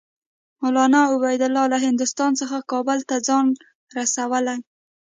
مولنا عبیدالله له هندوستان څخه کابل ته ځان رسولی.